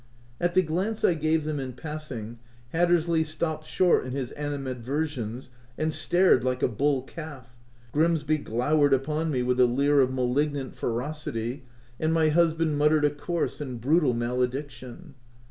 At the glance I gave them in passing, Hattersley stopped short in his ani madversions and stared like a bull calf, Grimsby glowered upon me with a leer of malignant ferocity, and my husband muttered a coarse and brutal malediction.